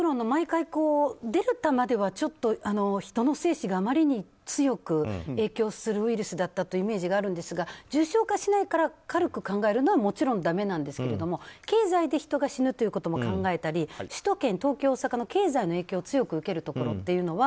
デルタまでは人の生死があまりに強く影響するウイルスというイメージがあるんですが重症化しないから軽く考えるのはもちろんだめなんですが経済で人が死ぬことも考えたり首都圏の東京、大阪の経済の影響を強く受けるところ。